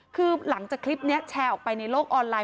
คือหลังจากคลิปนี้แชร์ออกไปในโลกออนไลน